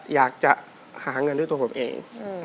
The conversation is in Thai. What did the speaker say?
อยากจะหาเงินด้วยตัวผมเอง